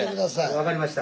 分かりました。